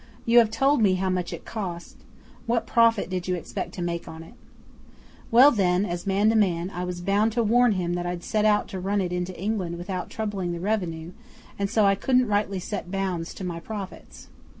You have told me how much it cost. What profit did you expect to make on it?" 'Well, then, as man to man, I was bound to warn him that I'd set out to run it into England without troubling the Revenue, and so I couldn't rightly set bounds to my profits.